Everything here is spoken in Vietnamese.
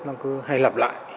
nó cứ hay lặp lại